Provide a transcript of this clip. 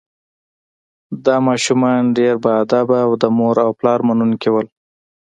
دا ماشومان ډیر باادبه او د مور او پلار منونکي وو